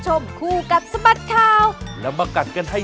สวัสดีค่ะ